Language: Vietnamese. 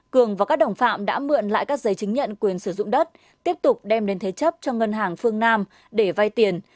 cường và các đồng phạm đã mượn lại các giấy chứng nhận quyền sử dụng đất tiếp tục đem đến thế chấp cho ngân hàng phương nam để vay tiền